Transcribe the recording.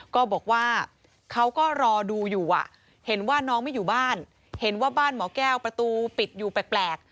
ก็บอกว่าเขาก็รอดูอยู่เห็นว่าน้องไม่อยู่บ้านเห็นว่าบ้านหมอแก้วประตูปิดอยู่แปลก